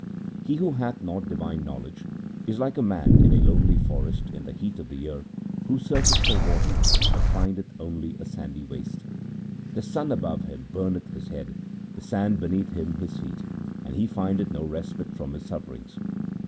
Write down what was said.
He who hath not divine knowledge, is like a man in a lonely forest in the heat of the year, who searcheth for water but findeth only a sandy waste. The sun above him burneth his head, the sand beneath him his feet, and he findeth no respite from his sufferings.